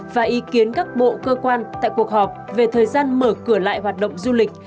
và ý kiến các bộ cơ quan tại cuộc họp về thời gian mở cửa lại hoạt động du lịch